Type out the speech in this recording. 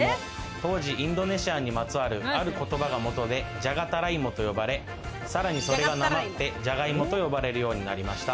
当時インドネシアにまつわる、ある言葉が元で、じゃがたらいもと呼ばれ、さらにそれがなまって、じゃがいもと呼ばれるようになりました。